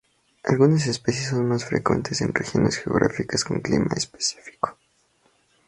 Algunas especies son más frecuentes en regiones geográficas con clima específico.